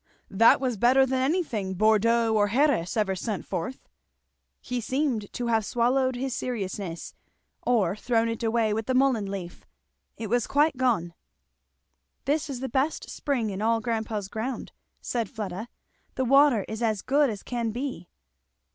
"That was better than anything Bordeaux or Xeres ever sent forth." He seemed to have swallowed his seriousness, or thrown it away with the mullein leaf. It was quite gone. "This is the best spring in all grandpa's ground," said Fleda. "The water is as good as can be."